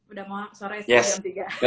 udah sore siang jam tiga